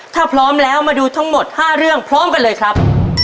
ถ้าพร้อมแล้วมาดูทั้งหมด๕เรื่องพร้อมกันเลยครับ